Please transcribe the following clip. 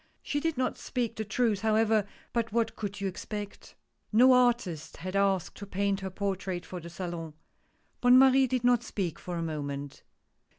She did not speak the truth, however — but what could you expect? No artist had asked to paint her portrait for the Salon Bonne Marie did not speak for a moment.